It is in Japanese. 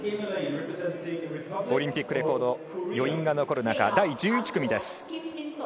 オリンピックレコードの余韻が残る中第１１組です。